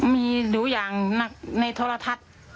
มีอยู่อย่างในโทรทัศน์